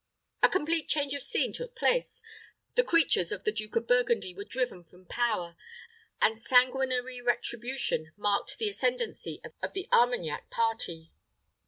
A complete change of scene took place; the creatures of the Duke of Burgundy were driven from power, and sanguinary retribution marked the ascendency of the Armagnac party.